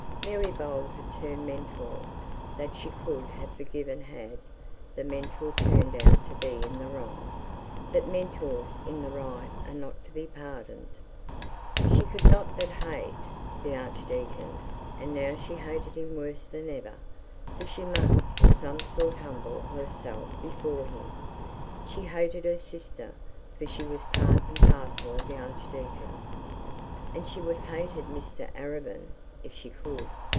Mary Bold had turned Mentor. That she could have forgiven had the Mentor turned out to be in the wrong; but Mentors in the right are not to be pardoned. She could not but hate the archdeacon; and now she hated him even worse than ever, for she must in some sort humble herself before him. She hated her sister, for she was part and parcel of the archdeacon. And she would have hated Mr Arabin if she could.